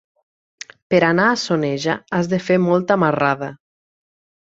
Per anar a Soneja has de fer molta marrada.